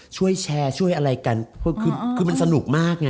ช่วยแชร์ช่วยอะไรกันคือมันสนุกมากไง